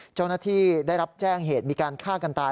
เจ้าหน้าที่ได้รับแจ้งเหตุมีการฆ่ากันตาย